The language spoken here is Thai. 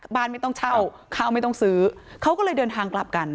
บ้านไม่ต้องเช่าข้าวไม่ต้องซื้อเขาก็เลยเดินทางกลับกัน